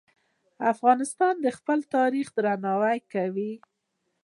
افغانستان د خپل تاریخ درناوی کوي.